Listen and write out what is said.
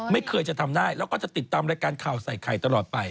ไม่เคยจะทำได้แล้วก็จะติดตามรายการข่าวใส่ไข่ตลอดไป